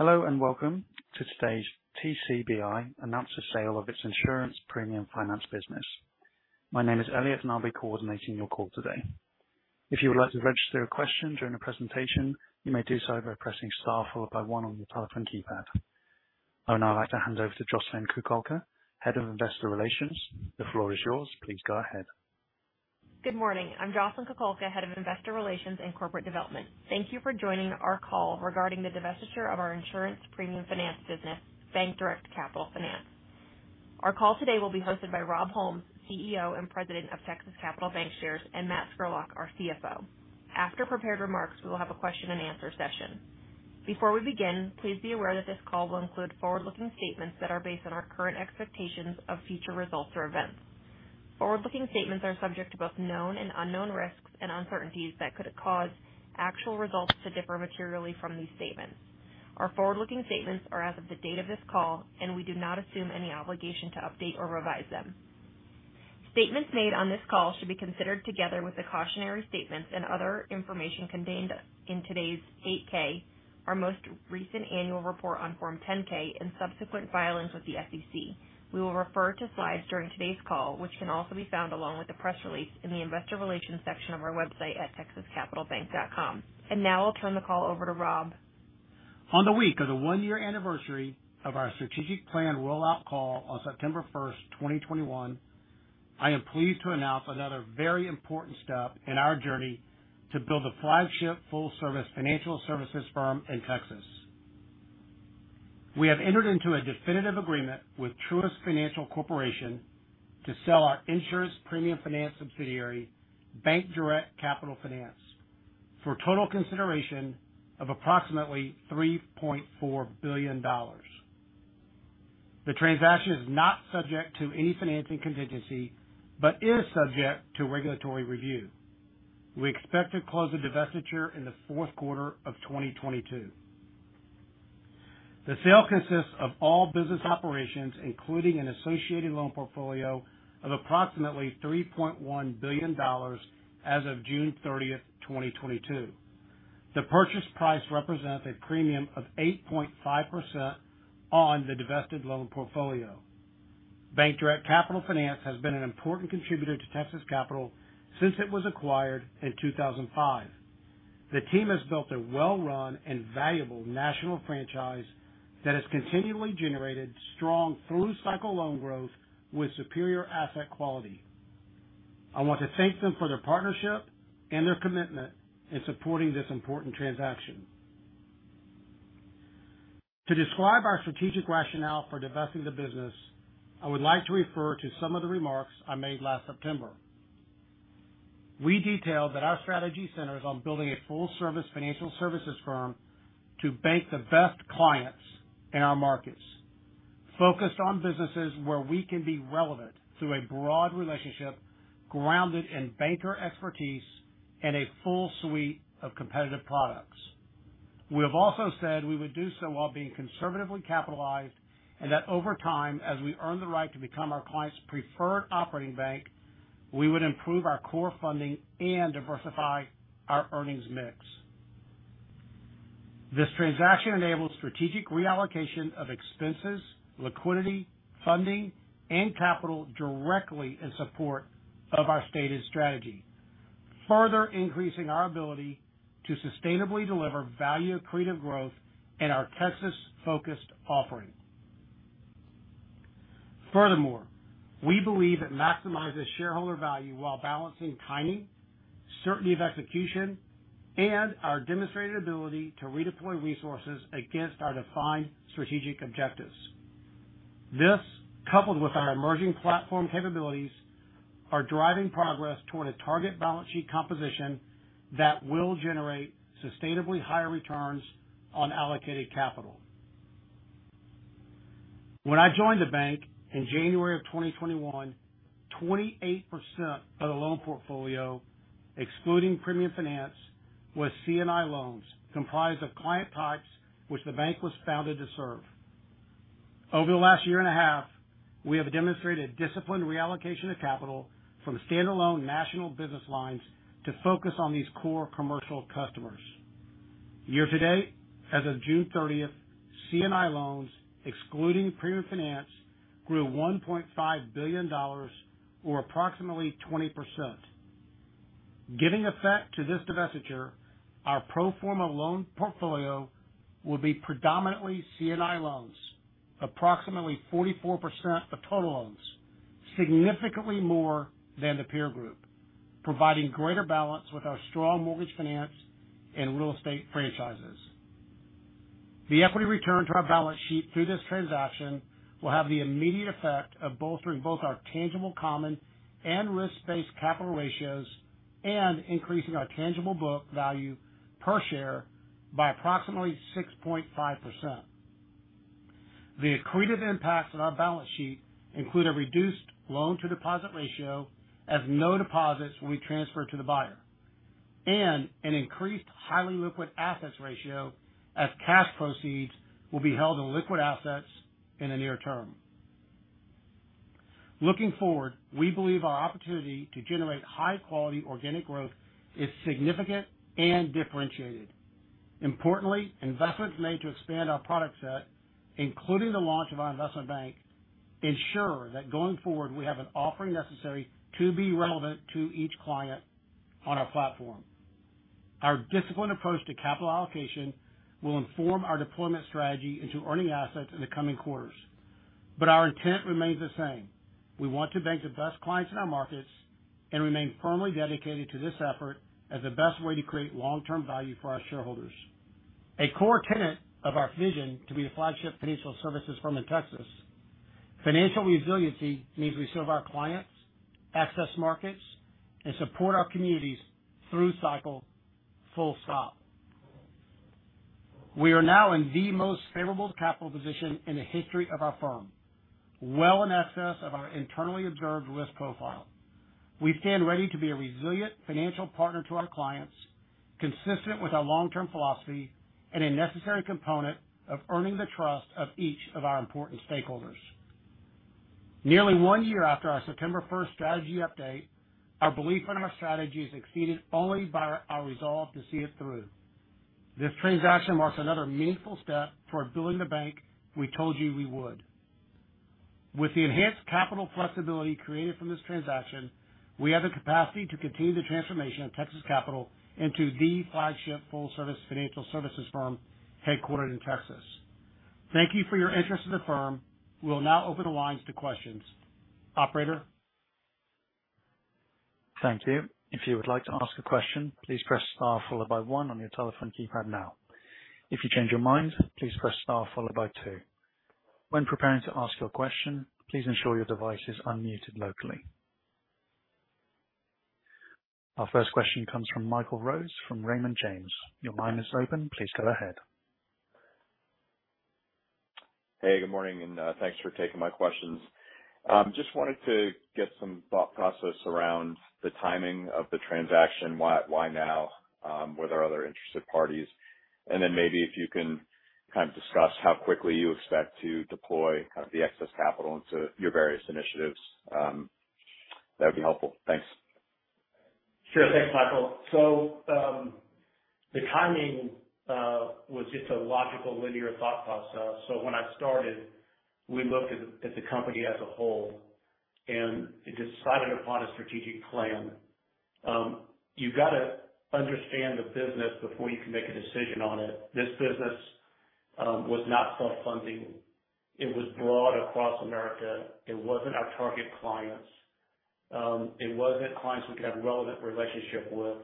Hello, and welcome to today's TCBI Announces the Sale of Its Insurance Premium Finance Business. My name is Elliot, and I'll be coordinating your call today. If you would like to register a question during the presentation, you may do so by pressing star followed by one on your telephone keypad. I would now like to hand over to Jocelyn Kukulka, Head of Investor Relations. The floor is yours. Please go ahead. Good morning. I'm Jocelyn Kukulka, Head of Investor Relations and Corporate Development. Thank you for joining our call regarding the divestiture of our insurance premium finance business, BankDirect Capital Finance. Our call today will be hosted by Rob Holmes, CEO and President of Texas Capital Bancshares, and Matt Scurlock, our CFO. After prepared remarks, we will have a question and answer session. Before we begin, please be aware that this call will include forward-looking statements that are based on our current expectations of future results or events. Forward-looking statements are subject to both known and unknown risks and uncertainties that could cause actual results to differ materially from these statements. Our forward-looking statements are as of the date of this call, and we do not assume any obligation to update or revise them. Statements made on this call should be considered together with the cautionary statements and other information contained in today's 8-K, our most recent annual report on Form 10-K, and subsequent filings with the SEC. We will refer to slides during today's call, which can also be found along with the press release in the investor relations section of our website at texascapitalbank.com. Now I'll turn the call over to Rob. On the week of the one-year anniversary of our strategic plan rollout call on September 1st, 2021, I am pleased to announce another very important step in our journey to build a flagship full-service financial services firm in Texas. We have entered into a definitive agreement with Truist Financial Corporation to sell our insurance premium finance subsidiary, BankDirect Capital Finance, for total consideration of approximately $3.4 billion. The transaction is not subject to any financing contingency but is subject to regulatory review. We expect to close the divestiture in the fourth quarter of 2022. The sale consists of all business operations, including an associated loan portfolio of approximately $3.1 billion as of June 30th, 2022. The purchase price represents a premium of 8.5% on the divested loan portfolio. BankDirect Capital Finance has been an important contributor to Texas Capital since it was acquired in 2005. The team has built a well-run and valuable national franchise that has continually generated strong through-cycle loan growth with superior asset quality. I want to thank them for their partnership and their commitment in supporting this important transaction. To describe our strategic rationale for divesting the business, I would like to refer to some of the remarks I made last September. We detailed that our strategy centers on building a full-service financial services firm to bank the best clients in our markets, focused on businesses where we can be relevant through a broad relationship grounded in banker expertise and a full suite of competitive products. We have also said we would do so while being conservatively capitalized and that over time, as we earn the right to become our clients preferred operating bank, we would improve our core funding and diversify our earnings mix. This transaction enables strategic reallocation of expenses, liquidity, funding, and capital directly in support of our stated strategy, further increasing our ability to sustainably deliver value accretive growth in our Texas-focused offering. Furthermore, we believe it maximizes shareholder value while balancing timing, certainty of execution, and our demonstrated ability to redeploy resources against our defined strategic objectives. This, coupled with our emerging platform capabilities, are driving progress toward a target balance sheet composition that will generate sustainably higher returns on allocated capital. When I joined the bank in January 2021, 28% of the loan portfolio, excluding premium finance, was C&I loans comprised of client types which the bank was founded to serve. Over the last year and a half, we have demonstrated disciplined reallocation of capital from standalone national business lines to focus on these core commercial customers. Year to date, as of June 30th, C&I loans, excluding premium finance, grew $1.5 billion or approximately 20%. Giving effect to this divestiture, our pro forma loan portfolio will be predominantly C&I loans, approximately 44% of total loans, significantly more than the peer group, providing greater balance with our strong mortgage finance and real estate franchises. The equity return to our balance sheet through this transaction will have the immediate effect of bolstering both our tangible common and risk-based capital ratios and increasing our tangible book value per share by approximately 6.5%. The accretive impacts on our balance sheet include a reduced loan-to-deposit ratio as no deposits will be transferred to the buyer and an increased highly liquid assets ratio as cash proceeds will be held in liquid assets in the near term. Looking forward, we believe our opportunity to generate high-quality organic growth is significant and differentiated. Importantly, investments made to expand our product set, including the launch of our investment bank, ensure that going forward, we have an offering necessary to be relevant to each client on our platform. Our disciplined approach to capital allocation will inform our deployment strategy into earning assets in the coming quarters. Our intent remains the same. We want to bank the best clients in our markets and remain firmly dedicated to this effort as the best way to create long-term value for our shareholders. A core tenet of our vision to be the flagship financial services firm in Texas. Financial resiliency means we serve our clients, access markets, and support our communities through cycle, full stop. We are now in the most favorable capital position in the history of our firm, well in excess of our internally observed risk profile. We stand ready to be a resilient financial partner to our clients, consistent with our long-term philosophy and a necessary component of earning the trust of each of our important stakeholders. Nearly one year after our September first strategy update, our belief in our strategy is exceeded only by our resolve to see it through. This transaction marks another meaningful step toward building the bank we told you we would. With the enhanced capital flexibility created from this transaction, we have the capacity to continue the transformation of Texas Capital into the flagship full-service financial services firm headquartered in Texas. Thank you for your interest in the firm. We'll now open the lines to questions. Operator? Thank you. If you would like to ask a question, please press star followed by one on your telephone keypad now. If you change your mind, please press star followed by two. When preparing to ask your question, please ensure your device is unmuted locally. Our first question comes from Michael Rose from Raymond James. Your line is open. Please go ahead. Hey, good morning, thanks for taking my questions. Just wanted to get some thought process around the timing of the transaction. Why now? Were there other interested parties? Maybe if you can kind of discuss how quickly you expect to deploy the excess capital into your various initiatives, that'd be helpful. Thanks. Sure. Thanks, Michael. The timing was just a logical linear thought process. When I started, we looked at the company as a whole and decided upon a strategic plan. You've got to understand the business before you can make a decision on it. This business was not self-funding. It was broad across America. It wasn't our target clients. It wasn't clients we could have relevant relationship with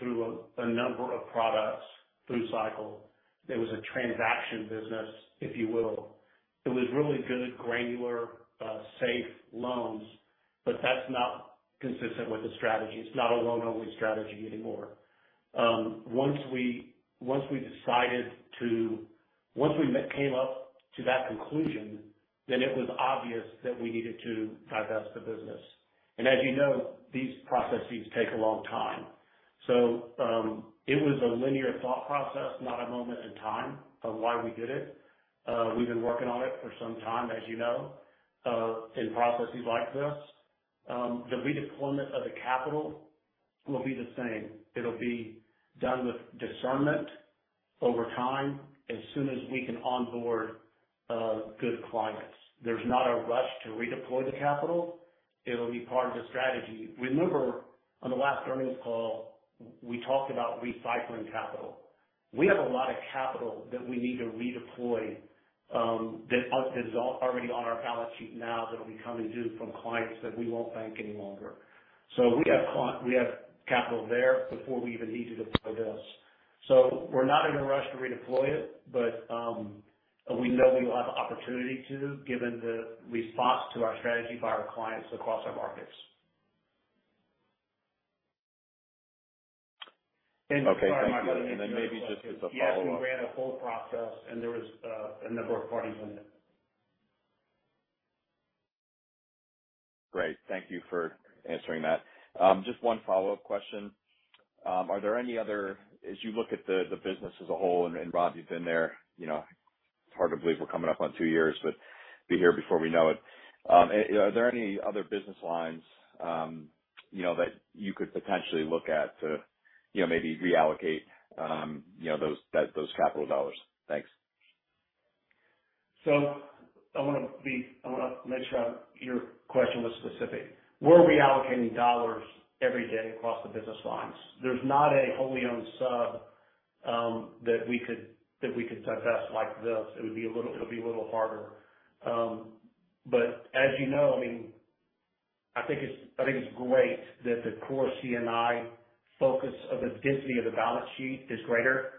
through a number of products through cycle. It was a transaction business, if you will. It was really good, granular, safe loans, but that's not consistent with the strategy. It's not a loan-only strategy anymore. Once we came up to that conclusion, then it was obvious that we needed to divest the business. As you know, these processes take a long time. It was a linear thought process, not a moment in time of why we did it. We've been working on it for some time, as you know, in processes like this. The redeployment of the capital will be the same. It'll be done with discernment over time as soon as we can onboard good clients. There's not a rush to redeploy the capital. It'll be part of the strategy. Remember, on the last earnings call, we talked about recycling capital. We have a lot of capital that we need to redeploy, that is already on our balance sheet now that'll be coming due from clients that we won't bank any longer. We have capital there before we even need to deploy this. We're not in a rush to redeploy it, but we know we will have opportunity to, given the response to our strategy by our clients across our markets. Okay Maybe just as a follow-up. Yes, we ran a full process and there was a number of parties in it. Great. Thank you for answering that. Just one follow-up question. As you look at the business as a whole, and Rob, you've been there, you know, it's hard to believe we're coming up on two years, but it'll be here before we know it. Are there any other business lines, you know, that you could potentially look at to, you know, maybe reallocate, you know, those capital dollars? Thanks. I wanna make sure your question was specific. We're reallocating dollars every day across the business lines. There's not a wholly owned sub that we could divest like this. It'll be a little harder. But as you know, I mean, I think it's great that the core C&I focus of the density of the balance sheet is greater,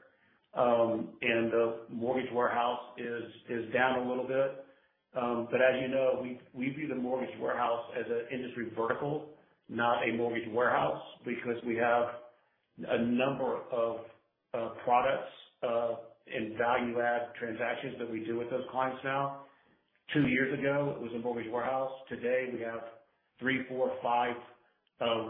and the mortgage warehouse is down a little bit. But as you know, we view the mortgage warehouse as an industry vertical, not a mortgage warehouse because we have a number of products and value-add transactions that we do with those clients now. Two years ago, it was a mortgage warehouse. Today we have three, four, five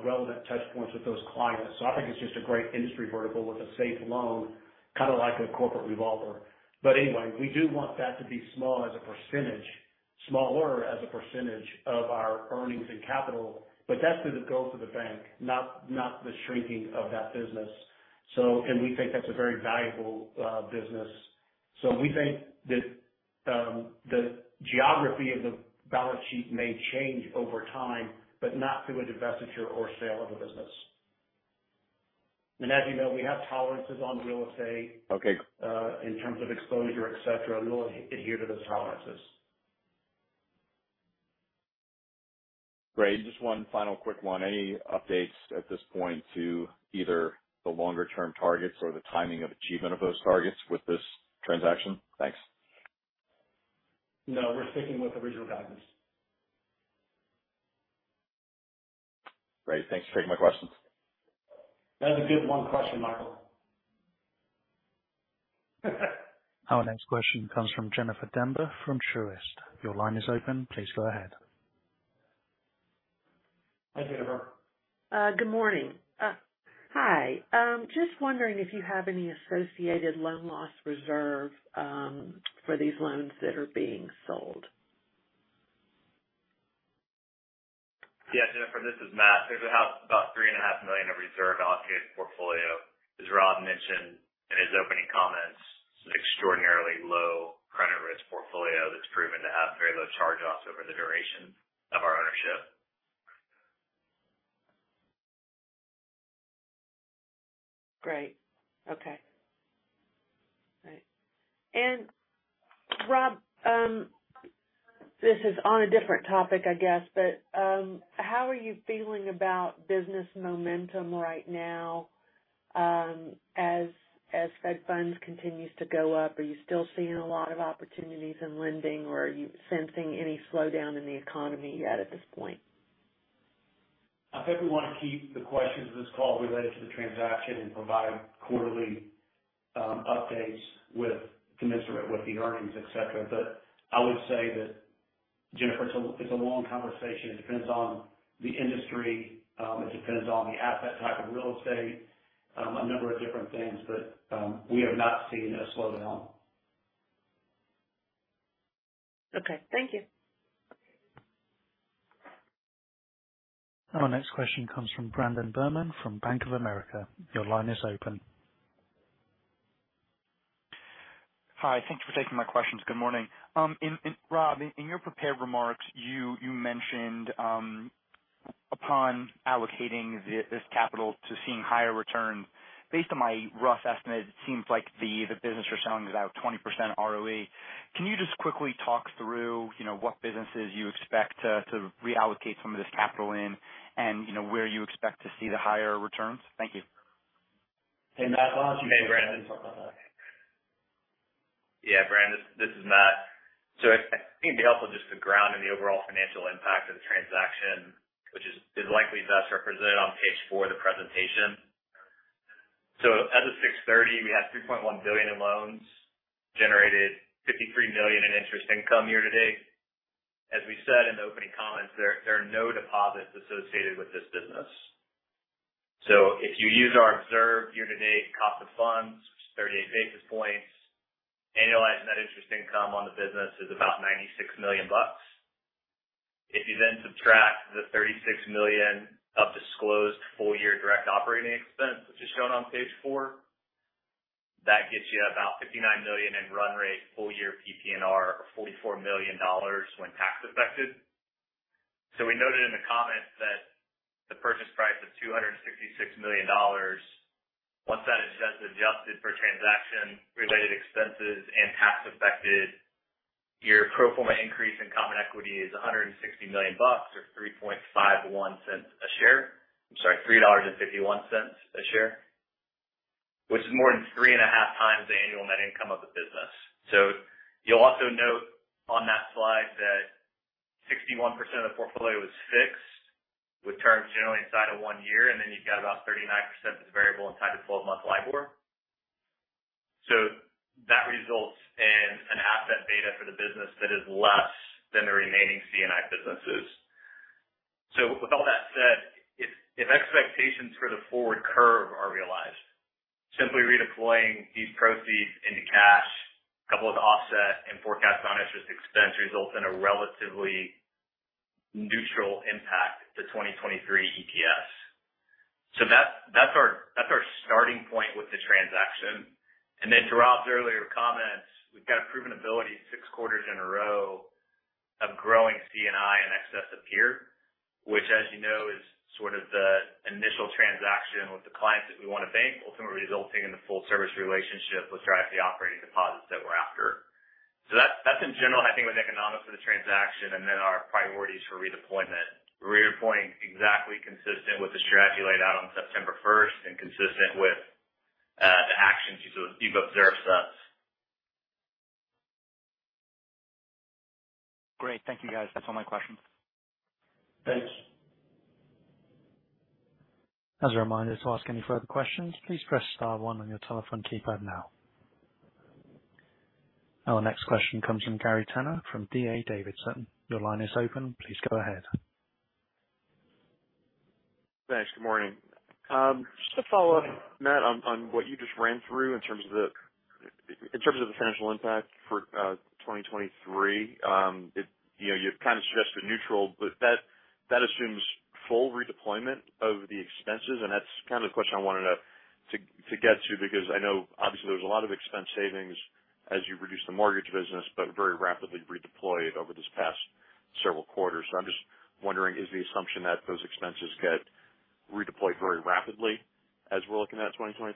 relevant touch points with those clients. I think it's just a great industry vertical with a safe loan, kind of like a corporate revolver. Anyway, we do want that to be small as a percentage. Smaller as a percentage of our earnings and capital, but that's the goal for the bank, not the shrinking of that business. We think that's a very valuable business. We think that the geography of the balance sheet may change over time, but not through a divestiture or sale of the business. As you know, we have tolerances on real estate. Okay. In terms of exposure, et cetera. We'll adhere to those tolerances. Great. Just one final quick one. Any updates at this point to either the longer-term targets or the timing of achievement of those targets with this transaction? Thanks. No, we're sticking with original guidance. Great. Thanks for taking my questions. That was a good one question, Michael. Our next question comes from Jennifer Demba from Truist. Your line is open. Please go ahead. Hi, Jennifer. Good morning. Hi. Just wondering if you have any associated loan loss reserve for these loans that are being sold? Yes, Jennifer, this is Matt. There's about $3.5 million of reserves allocated portfolio. As Rob mentioned in his opening comments, extraordinarily low credit risk portfolio that's proven to have very low charge-offs over the duration of our ownership. Great. Okay. All right. Rob, this is on a different topic, I guess, but, how are you feeling about business momentum right now, as Fed funds continues to go up? Are you still seeing a lot of opportunities in lending, or are you sensing any slowdown in the economy yet at this point? I think we want to keep the questions of this call related to the transaction and provide quarterly updates commensurate with the earnings, et cetera. I would say that, Jennifer, it's a long conversation. It depends on the industry, it depends on the asset type of real estate, a number of different things, but we have not seen a slowdown. Okay. Thank you. Our next question comes from Brandon Berman from Bank of America. Your line is open. Hi. Thank you for taking my questions. Good morning. Rob, in your prepared remarks, you mentioned upon allocating this capital to seeing higher return. Based on my rough estimate, it seems like the business you're selling is about 20% ROE. Can you just quickly talk through, you know, what businesses you expect to reallocate some of this capital in and, you know, where you expect to see the higher returns? Thank you. Hey, Matt, why don't you talk on that. Yeah, Brandon, this is Matt. I think it'd be helpful just to ground in the overall financial impact of the transaction, which is likely best represented on page four of the presentation. As of June 30, we have $3.1 billion in loans, generated $53 million in interest income year-to-date. As we said in the opening comments, there are no deposits associated with this business. If you use our observed year-to-date cost of funds, which is 38 basis points, annualizing that interest income on the business is about $96 million bucks. If you then subtract the $36 million of disclosed full-year direct operating expense, which is shown on page four, that gets you about $59 million in run-rate full-year PPNR, or $44 million when tax affected. We noted in the comments that the purchase price of $266 million, once that is adjusted for transaction-related expenses and tax-affected, your pro forma increase in common equity is $160 million or 3.51 cents a share. I'm sorry, $3.51 a share. Which is more than 3.5 times the annual net income of the business. You'll also note on that slide that 61% of the portfolio is fixed with terms generally inside of one year, and then you've got about 39% that's variable inside the 12-month LIBOR. That results in an asset beta for the business that is less than the remaining C&I businesses. With all that said, if expectations for the forward curve are realized, simply redeploying these proceeds into cash coupled with offset and forecast non-interest expense results in a relatively neutral impact to 2023 EPS. That's our starting point with the transaction. Then to Rob's earlier comments, we've got a proven ability six quarters in a row of growing C&I in excess of peer. Which as you know, is sort of the initial transaction with the clients that we want to bank, ultimately resulting in the full-service relationship which drives the operating deposits that we're after. That's in general, I think the economics of the transaction and then our priorities for redeployment. We're redeploying exactly consistent with the strategy laid out on September 1st and consistent with the actions you've observed since. Great. Thank you, guys. That's all my questions. Thanks. As a reminder, to ask any further questions, please press star one on your telephone keypad now. Our next question comes from Gary Tenner from D.A. Davidson. Your line is open. Please go ahead. Thanks. Good morning. Just to follow Matt on what you just ran through in terms of the financial impact for 2023. You know, you've kind of suggested neutral, but that assumes full redeployment of the expenses. That's kind of the question I wanted to get to, because I know obviously there was a lot of expense savings as you reduced the mortgage business, but very rapidly redeployed over this past several quarters. I'm just wondering, is the assumption that those expenses get redeployed very rapidly as we're looking at 2023?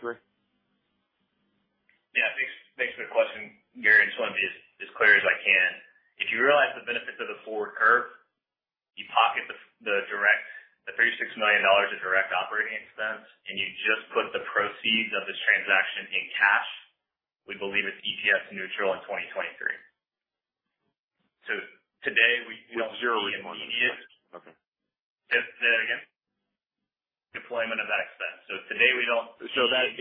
Yeah. Thanks for the question, Gary. Let me be as clear as I can. If you realize the benefits of the forward curve, you pocket the $36 million of direct operating expense, and you just put the proceeds of this transaction in cash. We believe it's EPS neutral in 2023. Today we don't see immediate, with zero deployment expense. Okay. Say that again. Deployment of that expense. Today we don't. Go ahead.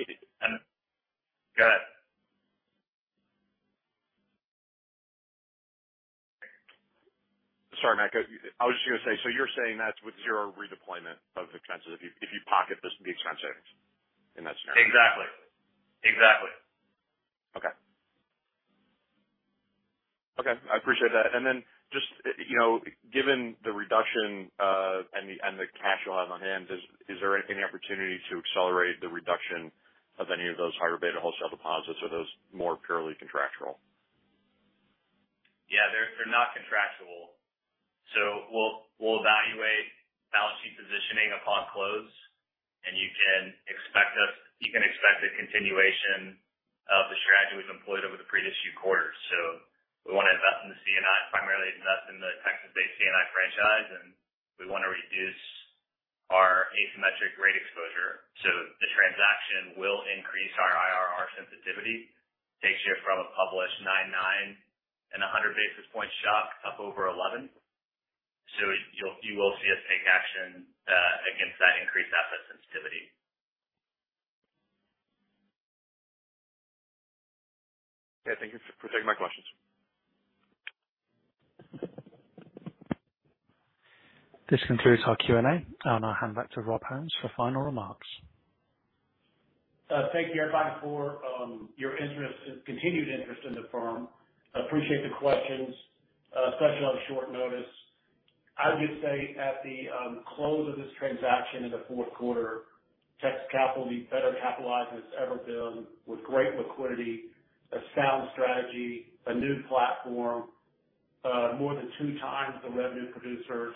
Sorry, Matt. I was just gonna say, so you're saying that's with zero redeployment of expenses, if you pocket this, the expense savings in that scenario? Exactly. Exactly. Okay. I appreciate that. Just, you know, given the reduction, and the cash you'll have on hand, is there any opportunity to accelerate the reduction of any of those higher beta wholesale deposits or are those more purely contractual? Yeah, they're not contractual. We'll evaluate balance sheet positioning upon close. You can expect a continuation of the strategy we've employed over the previous few quarters. We want to invest in the C&I, primarily invest in the Texas-based C&I franchise, and we want to reduce our asymmetric rate exposure. The transaction will increase our IRR sensitivity. Takes you from a published nine nine and 100 basis point shock up over 11. You'll see us take action against that increased asset sensitivity. Okay, thank you for taking my questions. This concludes our Q&A. I'll now hand back to Rob Holmes for final remarks. Thank you everybody for your interest and continued interest in the firm. Appreciate the questions, especially on short notice. I would just say at the close of this transaction in the fourth quarter, Texas Capital will be better capitalized than it's ever been with great liquidity, a sound strategy, a new platform, more than two times the revenue producers,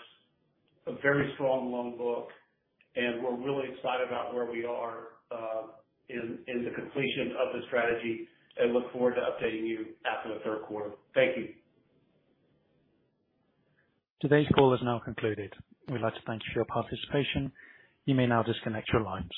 a very strong loan book, and we're really excited about where we are, in the completion of the strategy and look forward to updating you after the third quarter. Thank you. Today's call is now concluded. We'd like to thank you for your participation. You may now disconnect your lines.